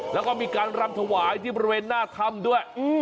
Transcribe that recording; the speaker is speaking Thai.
แล้วก็มีการรำถวายที่บริเวณหน้าถ้ำด้วย